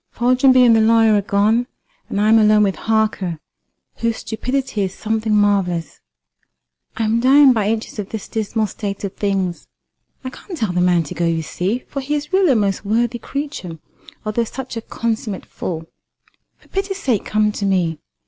Foljambe and the lawyer are gone, and I am alone with Harker, whose stupidity is something marvellous. I am dying by inches of this dismal state of things. I can't tell the man to go, you see, for he is really a most worthy creature, although such a consummate fool. For pity's sake come to me.